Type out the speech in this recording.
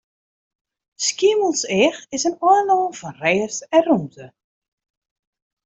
Skiermûntseach is in eilân fan rêst en rûmte.